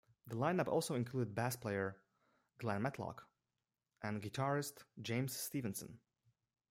The line-up also included bass player Glen Matlock and guitarist James Stevenson.